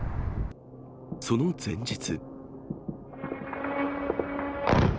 その前日。